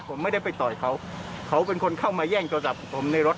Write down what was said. ผมไม่ได้ไปต่อยเขาเขาเป็นคนเข้ามาแย่งโทรศัพท์ผมในรถ